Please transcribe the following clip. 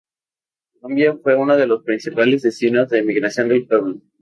Colombia fue uno de los principales destinos de emigración del pueblo.